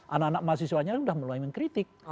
anak anak mahasiswanya sudah mulai mengkritik